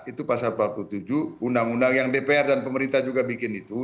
itu pasal empat puluh tujuh undang undang yang dpr dan pemerintah juga bikin itu